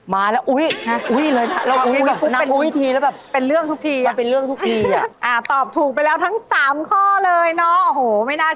ไม่พลัดสักข้อเลยนะคะ